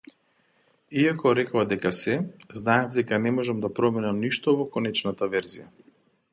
Иако рекоа дека се, знаев дека не можам да променам ништо во конечната верзија.